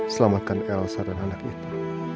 selamatkan elsa dan anak itu